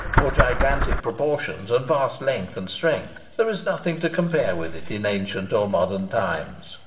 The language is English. For gigantic proportions and vast length and strength there is nothing to compare with it in ancient or modern times.